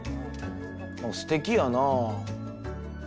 すてきやな。